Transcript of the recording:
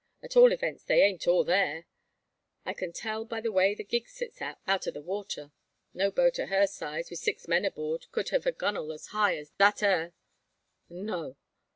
At all events they ain't all there. I can tell by the way the gig sits up out o' the water. No boat o' her size, wi' six men aboard, could have her gunnel as high as that ere. No!